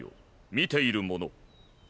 見ているもの！